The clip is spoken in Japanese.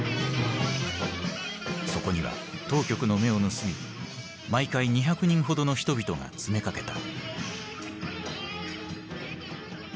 そこには当局の目を盗み毎回２００人ほどの人々が詰めかけた。